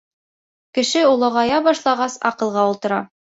Кеше олоғая башлағас, аҡылға ултыра.